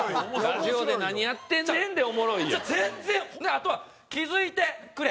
あとは気付いてくれ！